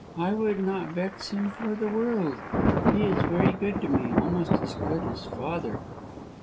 I would not vex him for the world. He is very good to me, almost as good as father."